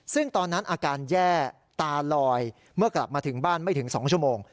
ซึ่งตอนนั้นอาการแย่ตาลอยเมื่อกลับมาถึงบ้านไม่ถึง๒ชั่วโมง